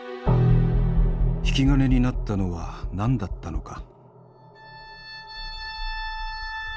引き金になったのは何だったのか？